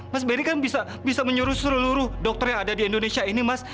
mas beri kan bisa menyuruh seluruh dokter yang ada di indonesia ini mas